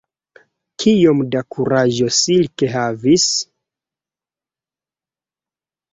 Kiom da kuraĝo Silke havis!